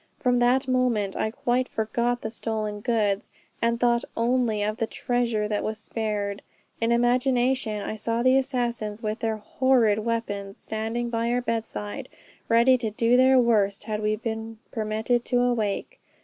From that moment, I quite forgot the stolen goods, and thought only of the treasure that was spared. In imagination I saw the assassins with their horrid weapons standing by our bedside, ready to do their worst had we been permitted to wake.